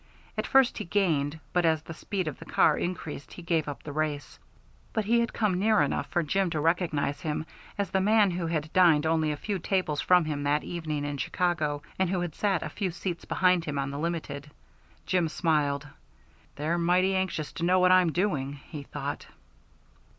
At first he gained, but as the speed of the car increased he gave up the race; but he had come near enough for Jim to recognize him as the man who had dined only a few tables from him that evening in Chicago and who had sat a few seats behind him on the Limited. Jim smiled. "They're mighty anxious to know what I'm doing," he thought.